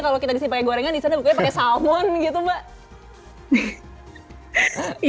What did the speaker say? kalau kita pakai gorengan di sana pakai salmon gitu mbak